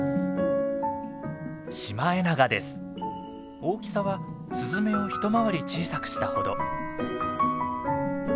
大きさはスズメを一回り小さくしたほど。